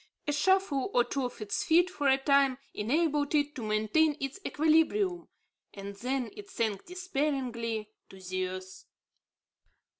A shuffle or two of its feet for a time, enabled it to maintain its equilibrium, and then it sank despairingly to the earth.